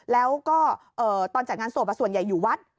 แล้วก็เอ่อตอนจัดงานศพอ่ะส่วนใหญ่อยู่วัดอ๋อ